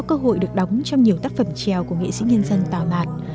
bà đã có cơ hội được đóng trong nhiều tác phẩm trèo của nghệ sĩ nhân dân tào mạt